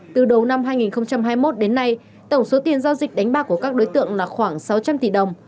từ đầu năm hai nghìn hai mươi một đến nay tổng số tiền giao dịch đánh bạc của các đối tượng là khoảng sáu trăm linh tỷ đồng